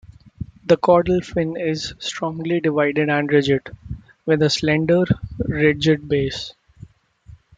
The caudal fin is strongly divided and rigid, with a slender, ridged base.